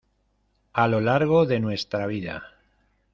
a lo largo de nuestra vida.